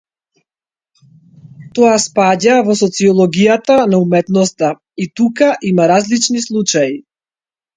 Тоа спаѓа во социологијата на уметноста и тука има различни случаи.